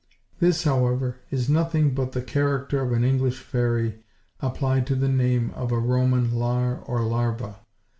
This, however, is nothing but the character of an English fairy applied to the name of a Roman lar or larva.